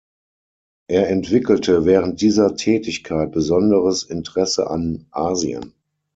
Er entwickelte während dieser Tätigkeit besonderes Interesse an Asien.